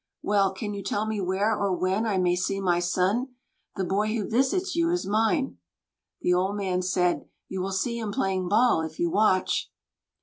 "Well, can you tell me where or when I may see my son? The boy who visits you is mine." The old man said: "You will see him playing ball, if you watch."